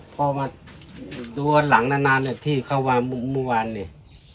พอมาดูวันหลังนานที่เข้ามามุมเมื่อวานเนี่ย